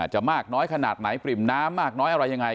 จะมากน้อยขนาดไหนปริ่มน้ำมากน้อยอะไรยังไง